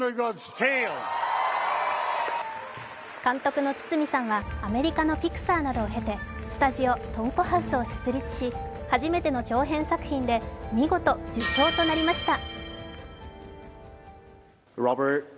監督の堤さんはアメリカのピクサーなどを経てスタジオＴｏｎｋｏＨｏｕｓｅを設立し初めての長編作品で見事、受賞となりました。